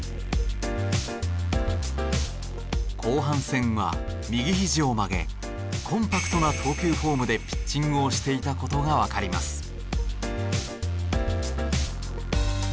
後半戦は右ひじを曲げコンパクトな投球フォームでピッチングをしていた事がわかります。